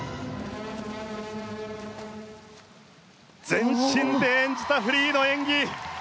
全身で演じたフリーの演技。